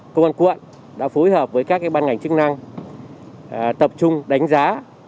công an quận đã phối hợp với các ban ngành chức năng tập trung đánh giá